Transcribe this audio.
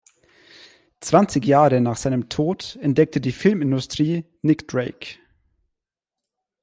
Zwanzig Jahre nach seinem Tod entdeckte die Filmindustrie Nick Drake.